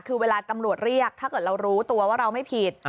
คือเวลาตำรวจเรียกถ้าเกิดเรารู้ตัวว่าเราไม่ผิด